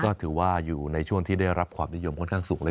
ก็ถือว่าอยู่ในช่วงที่ได้รับความนิยมค่อนข้างสูงเลย